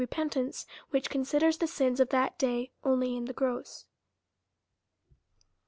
327 repentance, which considers the sins of that day only in the gross.